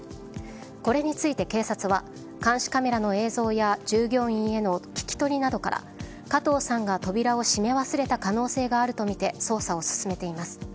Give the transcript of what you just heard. これについて、警察は監視カメラの映像や従業員への聞き取りなどから加藤さんが扉を閉め忘れた可能性があるとみて捜査を進めています。